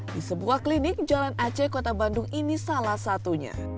di sebuah klinik jalan aceh kota bandung ini salah satunya